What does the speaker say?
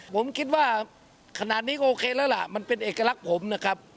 ผมคิดว่าขนาดนี้ก็โอเคแล้วล่ะมันเป็นเอกลักษณ์ผมนะครับ